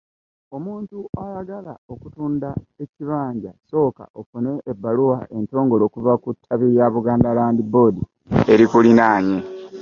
Omuntu ayagala okutunda ekibanja sooka ofune ebbaluwa entongole okuva ku ttabi lya Buganda Land Board erikuliraanye.